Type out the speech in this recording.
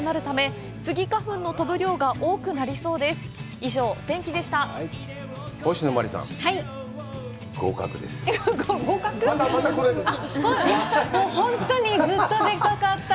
以上、お天気でした。